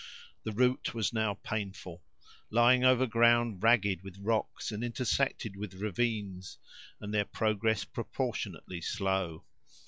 The route was now painful; lying over ground ragged with rocks, and intersected with ravines, and their progress proportionately slow.